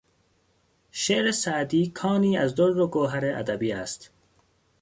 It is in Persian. شعر سعدی کانی از در و گوهر ادبی است.